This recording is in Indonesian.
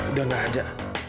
udah nggak ada